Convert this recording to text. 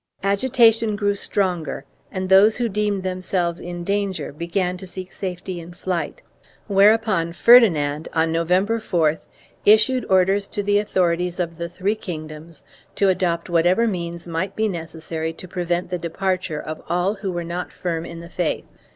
1 Agitation grew stronger and those who deemed themselves in danger began to seek safety in flight, whereupon Ferdinand, on November 4th, issued orders to the authorities of the three king doms to adopt whatever means might be necessary to prevent the departure of all who were not firm in the faith.